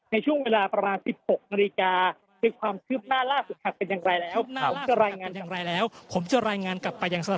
ในช่วงเวลาประมาณ๑๖นาฬิกาคือความคืบหน้าล่าสุดค่ะเป็นอย่างไรแล้ว